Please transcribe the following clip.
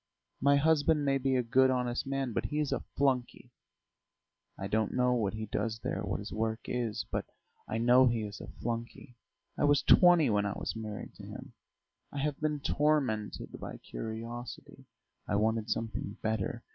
My husband may be a good, honest man, but he is a flunkey! I don't know what he does there, what his work is, but I know he is a flunkey! I was twenty when I was married to him. I have been tormented by curiosity; I wanted something better.